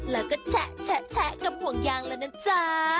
แล้วก็แฉะกับห่วงยางแล้วนะจ๊ะ